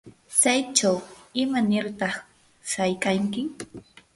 ¿tsaychaw imanirtaq shaykanki?